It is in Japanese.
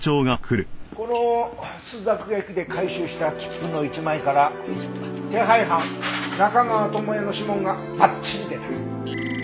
この朱雀駅で回収した切符の一枚から手配犯中川智哉の指紋がばっちり出た。